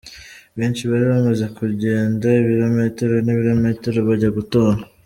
Benshi bari bamaze kugenda ibirometero n'ibirometero bajya gutora.